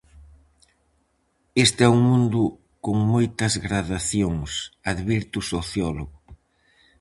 "Este é un mundo con moitas gradacións", advirte o sociólogo.